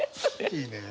いいね。